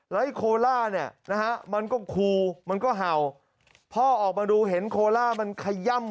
แล้วไอ้โคล่าเนี่ยนะฮะมันก็คูมันก็เห่าพ่อออกมาดูเห็นโคล่ามันขย่ำ